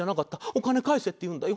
お金返せ」って言うんだよ。